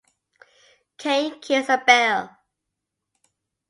Cain kills Abel.